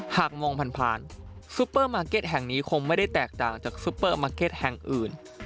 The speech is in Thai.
หากมองผ่านซุปเปอร์มาร์เก็ตแห่งนี้คงไม่ได้แตกต่างจากซุปเปอร์มาร์เก็ตแห่งอื่น